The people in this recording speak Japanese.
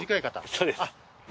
そうです。